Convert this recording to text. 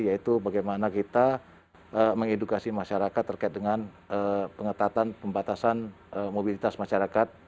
yaitu bagaimana kita mengedukasi masyarakat terkait dengan pengetatan pembatasan mobilitas masyarakat